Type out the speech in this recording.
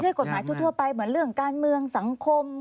คือมันไม่ใช่กฎหมายทั่วไปเหมือนเรื่องการเมืองสังคม